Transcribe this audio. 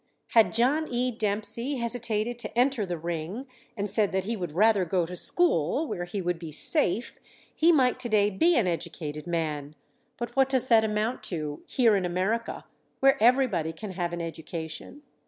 Had John E. Dempsey hesitated to enter the ring and said that he would rather go to school, where he would be safe, he might to day be an educated man; but what does that amount to here in America, where everybody can have an education?